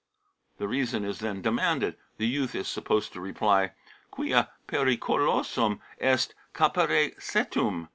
The reason is then demanded. The youth is supposed to reply :" Quia periculosum est capere cetum.